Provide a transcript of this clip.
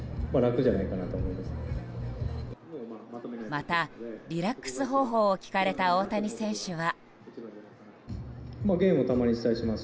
また、リラックス方法を聞かれた大谷選手は。